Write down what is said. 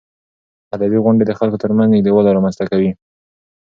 ادبي غونډې د خلکو ترمنځ نږدېوالی رامنځته کوي.